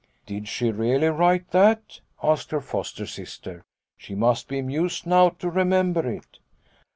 " Did she really write that ?" asked her foster sister ;" she must be amused now to remember it."